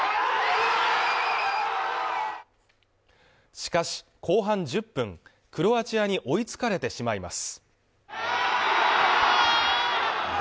しかし後半１０分クロアチアに追いつかれてしまいます